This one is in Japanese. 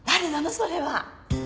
それは。